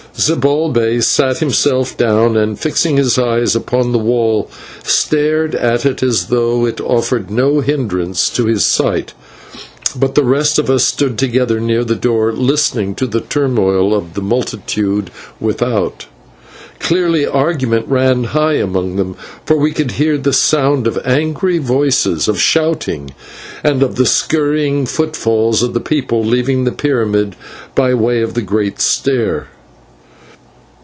Zibalbay sat himself down, and, fixing his eyes upon the wall, stared at it as though it offered no hindrance to his sight, but the rest of us stood together near the door, listening to the turmoil of the multitude without. Clearly argument ran high among them, for we could hear the sound of angry voices, of shouting, and of the hurrying footfalls of the people leaving the pyramid by way of the great stair.